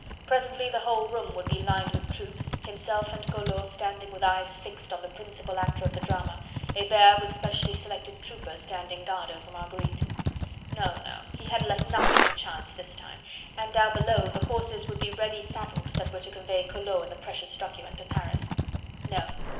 Presently the whole room would be lined with troops, himself and Collot standing with eyes fixed on the principal actor of the drama! Hebert with specially selected troopers standing on guard over Marguerite! No, no! he had left nothing to chance this time, and down below the horses would be ready saddled, that were to convey Collot and the precious document to Paris. No!